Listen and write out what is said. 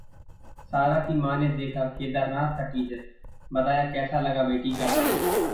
सारा की मां ने देखा केदारनाथ का टीजर, बताया कैसा लगा बेटी का काम